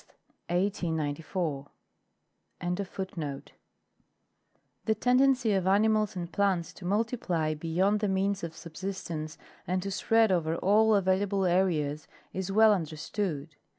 HART MERRIAM The tendency of animals and plants to multiply beyond the means of subsistence and to spread over all available areas is well understood.